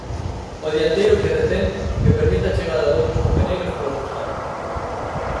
O dianteiro que retén, que permite a chegada doutros compañeiros polos costados.